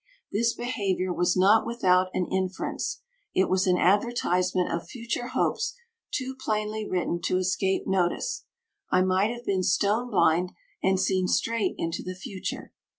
This behavior was not without an inference; it was an advertisement of future hopes too plainly written to escape notice; I might have been stone blind and seen straight into the future!